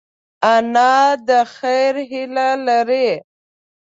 انا د خیر هیله لري